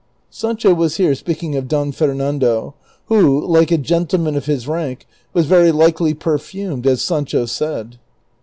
Sancho was here speaking of Don Fernando, who, like a gentleman of his rank, was very likely perfumed as Sancho said.